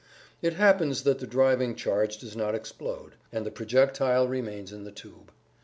It happens that the driving charge does not explode, and the projectile remains in the tube.